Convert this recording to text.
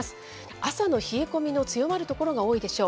朝の冷え込みの強まる所が多いでしょう。